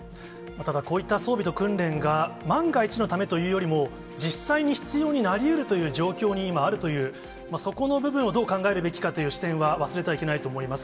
ただ、こういった装備と訓練が、万が一のためというよりも、実際に必要になりうるという状況に今あるという、そこの部分をどう考えるべきかという視点は、忘れてはいけないと思います。